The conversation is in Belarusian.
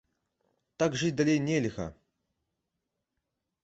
Так жыць далей нельга!